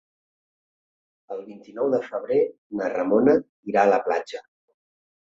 El vint-i-nou de febrer na Ramona irà a la platja.